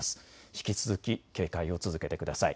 引き続き警戒を続けてください。